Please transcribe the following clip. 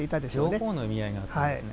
両方の意味合いがあったんですね。